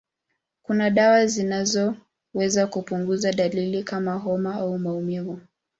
Kuna dawa zinazoweza kupunguza dalili kama homa au maumivu.